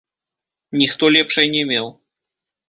Ніхто лепшай не меў.